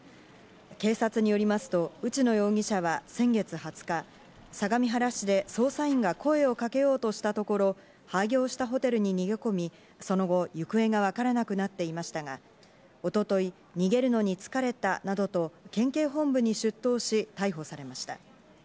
警察によりますと内野容疑者は先月２０日、相模原市で捜査員が声をかけようとしたところ、廃業したホテルに逃げ込み、その後、行方がわからなくなっていましたが、一昨日、逃げるのに疲れたなどと県警本部に出頭し、逮捕されました。